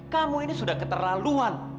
kamu ini sudah keterlaluan